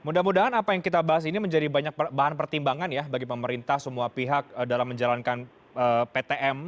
mudah mudahan apa yang kita bahas ini menjadi banyak bahan pertimbangan ya bagi pemerintah semua pihak dalam menjalankan ptm